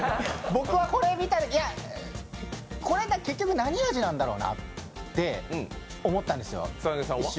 僕はこれ見たとき、いやこれは結局何味なんだろうなと一瞬思ったんですよ。